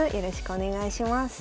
お願いします。